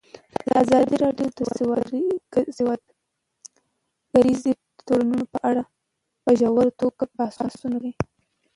ازادي راډیو د سوداګریز تړونونه په اړه په ژوره توګه بحثونه کړي.